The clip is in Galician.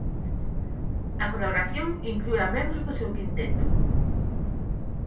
A colaboración inclúe a membros do seu quinteto.